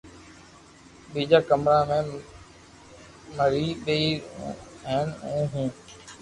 ٻيجا ڪمرا مي مري ٻير ھين ھون ھون